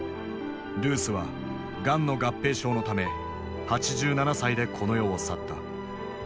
ルースはがんの合併症のため８７歳でこの世を去った。